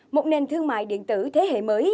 một nền thương mại điện tử thế hệ mới